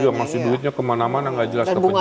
iya masih duitnya kemana mana gak jelas ke penjabat